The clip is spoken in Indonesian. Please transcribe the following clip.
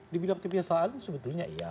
di bidang kebiasaan sebetulnya iya